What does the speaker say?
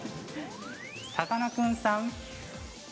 さかなクンさん！